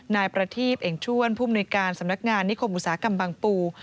นายประทีบเองชวนผู้มนุยการสำนักงานนิคมอุตสาหกรรมบางปู